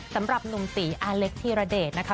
สำหรับหนุ่มตีอาเล็กธีรเดชนะคะ